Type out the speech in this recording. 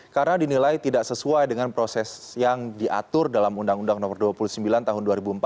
karena dinilai tidak sesuai dengan proses yang diatur dalam undang undang no dua puluh sembilan tahun dua ribu empat